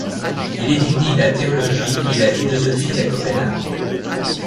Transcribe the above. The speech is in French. Il étudie la théologie et la philosophie à Copenhague.